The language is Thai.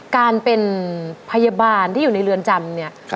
การเป็นพยาบาลที่อยู่ในเรือนจำเนี่ย